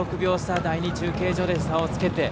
第２中継所で差をつけて。